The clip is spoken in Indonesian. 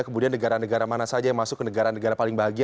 kemudian negara negara mana saja yang masuk ke negara negara paling bahagia